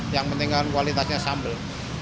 yang pentingkan kualitasnya sambel